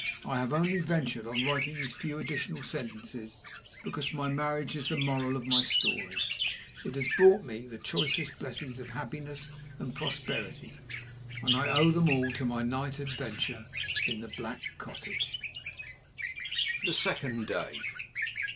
I have only ventured on writing these few additional sentences because my marriage is the moral of my story. It has brought me the choicest blessings of happiness and prosperity, and I owe them all to my night adventure in The Black Cottage. THE SECOND DAY.